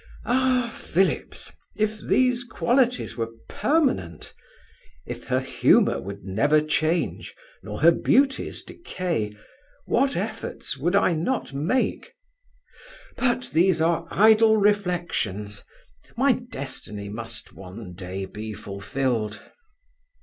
Ah Phillips! if these qualities were permanent if her humour would never change, nor her beauties decay, what efforts would I not make But these are idle reflections my destiny must one day be fulfilled.